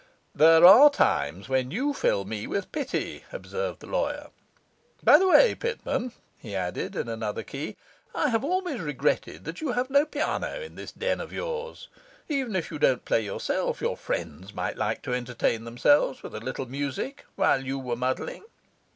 'There are times when you fill me with pity,' observed the lawyer. 'By the way, Pitman,' he added in another key, 'I have always regretted that you have no piano in this den of yours. Even if you don't play yourself, your friends might like to entertain themselves with a little music while you were mudding.